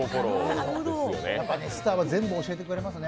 スターは全部教えてくれますね。